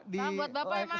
buat bapak ya mas